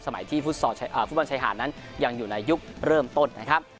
ที่ฟุตบอลชายหาดนั้นยังอยู่ในยุคเริ่มต้นนะครับ